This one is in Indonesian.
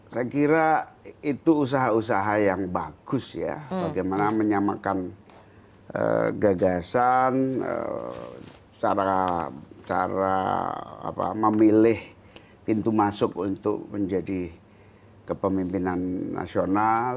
saya kira itu usaha usaha yang bagus ya bagaimana menyamakan gagasan cara memilih pintu masuk untuk menjadi kepemimpinan nasional